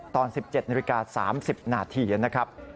ตอน๑๗นาฬิกา๓๐นาทีนะครับ